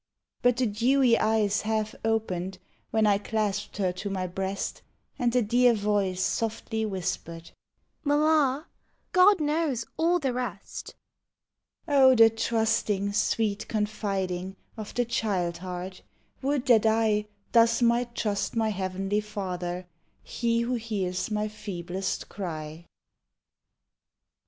But the dewy eyes half opened When I clasped her to my breast, And the dear voice softly whispered, " Mamma, God knows all the rest." Oh, the trusting, sweet confiding Of the child heart! Would that I Thus might trust my Heavenly Father, He who hears my feeblest cry.